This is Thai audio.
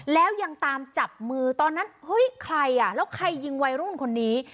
แล้วยังตามจับมือตอนนั้นเฮ้ยใครอ่ะแล้วใครยิงวัยรุ่นคนนี้